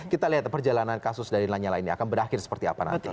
kita lihat perjalanan kasus dari lanyala ini akan berakhir seperti apa nanti